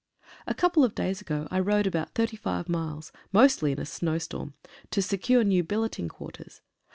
A couple of days ago I rode about 35 miles, mostly in a snow storm, to secure new billeting quarters.